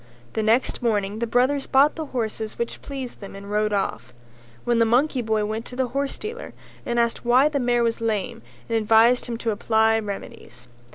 The next morning the brothers bought the horses which pleased them and rode off. Then the monkey boy went to the horsedealer and asked why the mare was lame and advised him to apply remedies.